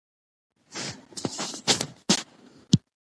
هغه توره له تیکي نه راویوسته.